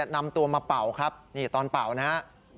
นำตัวมาเป่าครับนี่ตอนเป่านะครับ